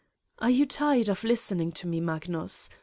. are you tired of listening to me, Magnus.